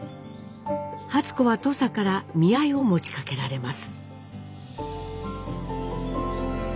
初子はとさから見合いを持ちかけられます。